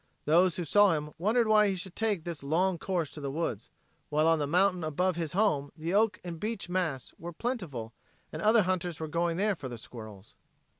Those who saw him wondered why he should take this long course to the woods, while on the mountain above his home the oak and beech masts were plentiful and other hunters were going there for the squirrels.